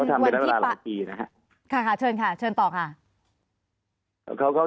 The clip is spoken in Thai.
ก็จะเป็นโชคดีที่เราเข้าจังกันจากกลุ่มใดนะครับ